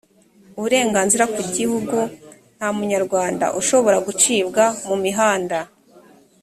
uburenganzira ku gihugu nta munyarwanda ushobora gucibwa mumihanda